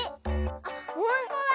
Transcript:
あっほんとだ！